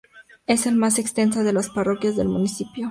Es la más extensa de las parroquias del municipio.